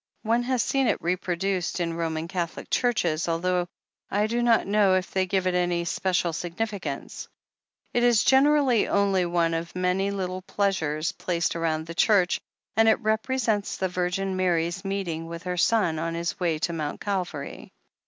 One has seen it reproduced in Roman Catholic churches, although I do not know if they give it any special significance. It is generally only one of many little pictures placed round the church, and it represents 472 THE HEEL OF ACHILLES the Virgin Mary's meeting with her Son on His way to Mount Calvary."